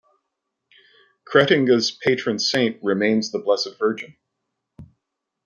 Kretinga's patron saint remains the Blessed Virgin.